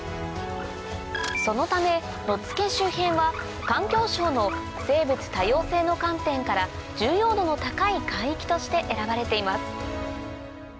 そのため野付周辺は環境省の「生物多様性の観点から重要度の高い海域」として選ばれています